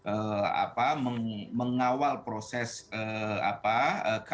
nah di tahun dua ribu dua puluh satu alhamdulillah karena masyarakat semakin berani menempelkan kemasyarakat